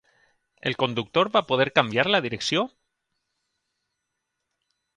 El conductor va poder canviar la direcció?